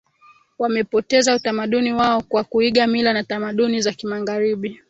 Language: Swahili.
Wamepoteza utamaduni wao kwa kuiga mila na tamaduni za kimagharibi